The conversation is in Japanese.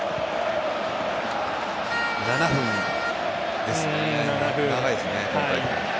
７分ですね。